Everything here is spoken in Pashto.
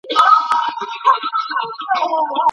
شین روغتون څه مانا لري؟